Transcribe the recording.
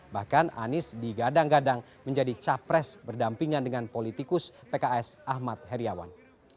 bahkan anies digadang gadang menjadi capres berdampingan dengan politikus pks ahmad heriawan